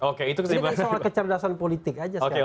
oke itu kecerdasan politik saja sekarang